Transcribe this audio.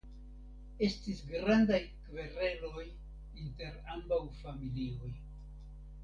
Estis grandaj kvereloj inter ambaŭ familioj.